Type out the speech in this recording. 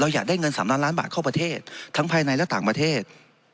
อยากได้เงิน๓ล้านล้านบาทเข้าประเทศทั้งภายในและต่างประเทศ